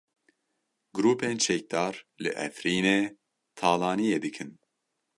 Grûpên çekdar li Efrînê talaniyê dikin.